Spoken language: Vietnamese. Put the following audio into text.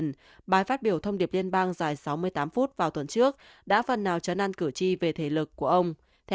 theo nbc news bài phát biểu thông điệp liên bang dài sáu mươi tám phút vào tuần trước đã phần nào chấn ăn cử tri về thể lực của ông